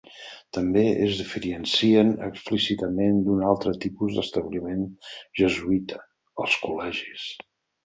També es diferencien explícitament d'un altre tipus d'establiment jesuïta: els col·legis.